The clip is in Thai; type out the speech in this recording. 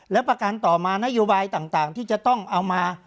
และประการต่อมานโยบายต่างที่จะต้องเอามา